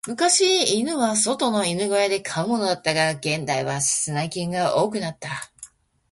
昔、犬は外の犬小屋で飼うものだったが、現代は室内犬が多くなった。